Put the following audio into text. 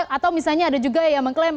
atau misalnya ada juga yang mengklaim